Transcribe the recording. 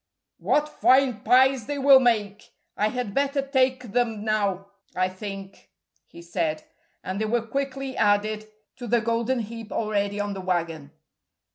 "What fine pies they will make. I had better take them now, I think," he said, and they were quickly added to the golden heap already on the wagon.